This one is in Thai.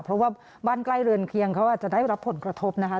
เพราะว่าบ้านใกล้เรือนเคียงเขาอาจจะได้รับผลกระทบนะคะ